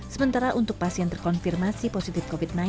sementara untuk pasien terkonfirmasi positif covid sembilan belas